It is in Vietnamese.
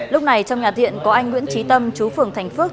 lúc này trong nhà thiện có anh nguyễn trí tâm chú phường thành phước